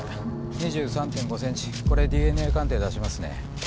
２３．５ｃｍこれＤＮＡ鑑定出しますね。